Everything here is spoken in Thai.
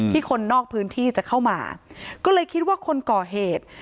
คนนอกพื้นที่จะเข้ามาก็เลยคิดว่าคนก่อเหตุ